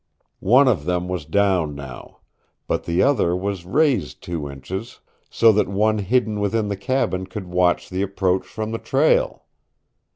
One of them was down now. But the other was raised two inches, so that one hidden within the cabin could watch the approach from the trail!